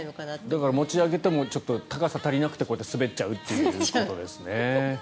だから持ち上げても高さが足りなくて滑っちゃうということですね。